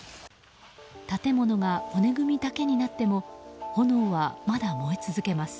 建物が骨組みだけになっても炎はまだ燃え続けます。